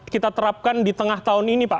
kita terapkan di tengah tahun ini pak